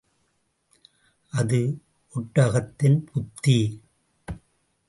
அது ஒட்டகத்தின் புத்தி.